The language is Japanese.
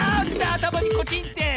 あたまにコチンって。